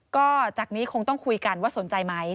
ก็จากนี้คงต้องคุยกันว่าสนใจไหม